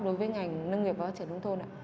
đối với ngành nông nghiệp và phát triển nông thôn ạ